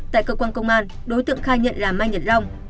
tại cơ quan công an đối tượng khai nhận là mai nhật long